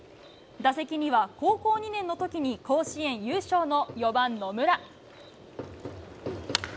打席には高校２年のときに甲子園優勝の４番野村。